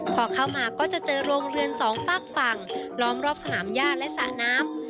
พอเข้ามาก็จะเจอโรงเรือนสองฝากฝั่งล้อมรอบสนามย่าและสระน้ำ